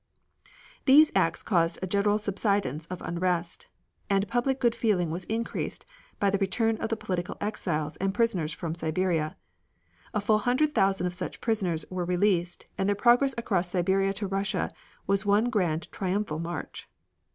These acts caused a general subsidence of unrest, and public good feeling was increased by the return of the political exiles and prisoners from Siberia. A full hundred thousand of such prisoners were released, and their progress across Siberia to Russia was one grand triumphal march.